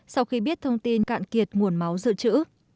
sau khi biết thông tin cạn kiệt nguồn máu dự trữ